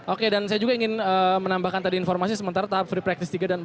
oke dan saya juga ingin menambahkan tadi informasi sementara tahap free practice tiga dan empat